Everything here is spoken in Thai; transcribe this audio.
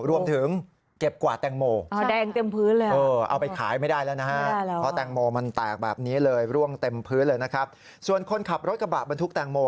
รวมถึงเก็บกวาดแตงโม